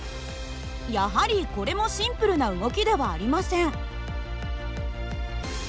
やはりこれもシンプルな動きではありません。